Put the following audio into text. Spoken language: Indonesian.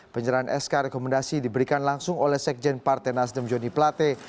penyerahan sk rekomendasi diberikan langsung oleh sekjen partai nasdem joni plate